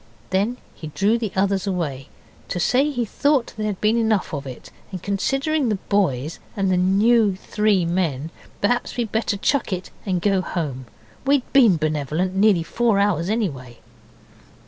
And then he drew the others away, to say he thought there'd been enough of it, and considering the boys and new three men, perhaps we'd better chuck it and go home. We'd been benevolent nearly four hours anyway.